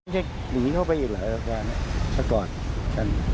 หนีเข้าไปอีกหรือประกอบกัน